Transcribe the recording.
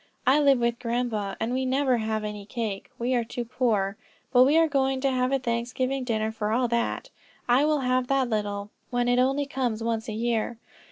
I live with grandpa, and we never have any cake; we are too poor; but we are going to have a Thanksgiving dinner for all that. I will have that little, when it only comes once a year.